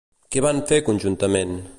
Què van fer conjuntament?